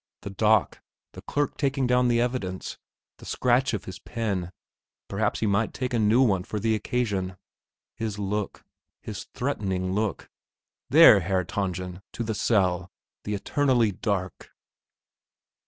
The dock, the clerk taking down the evidence, the scratch of his pen perhaps he might take a new one for the occasion his look, his threatening look. There, Herr Tangen, to the cell, the eternally dark....